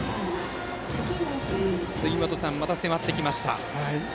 杉本さん、また迫ってきました。